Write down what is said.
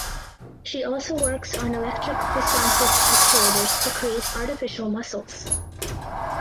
She also works on electric responsive actuators to create artificial muscles.